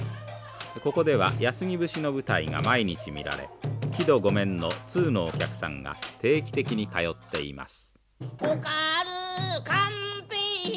ここでは安来節の舞台が毎日見られ木戸御免の通のお客さんが定期的に通っています。